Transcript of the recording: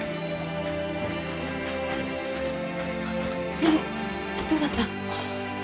ねえどうだった？